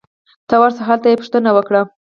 ته ورشه ! هلته یې پوښتنه وکړه